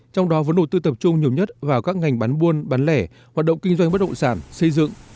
trong đó vốn đầu tư tập trung nhiều nhất vào các ngành bán buôn bán lẻ hoạt động kinh doanh bất động sản xây dựng